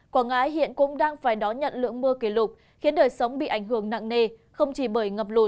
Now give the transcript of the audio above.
quảng ngãi hiện cũng đang phải đón nhận lượng mưa kỷ lục khiến đời sống bị ảnh hưởng nặng nề không chỉ bởi ngập lụt